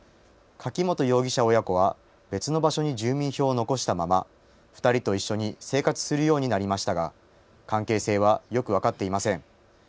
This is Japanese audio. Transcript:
柿本容疑者親子は別の場所に住民票を残したまま２人と一緒に生活するようになりましたが関係性はよく分かっていません。